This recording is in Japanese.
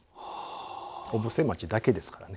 小布施町だけですからね。